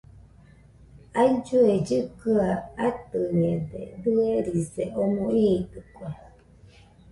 Aillue kɨkɨaɨ atɨñede, dɨerise omo iitɨkue.